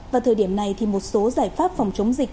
vào thời điểm này thì một số giải pháp phòng chống dịch